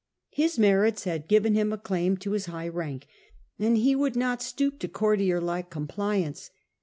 His merits guard, had given him a claim to his high rank, and he would not stoop to courtierlike compliance.